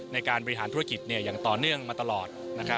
ในการบริหารธุรกิจอย่างต่อเนื่องมาตลอด